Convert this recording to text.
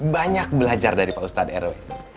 banyak belajar dari pak ustadz ero